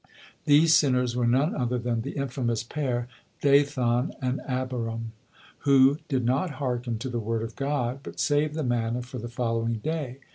These sinners were none other than the infamous pair, Dathan and Abiram, who did not hearken to the word of God, but saved the manna for the following day.